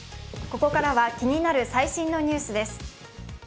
ここからは気になる最新のニュースです。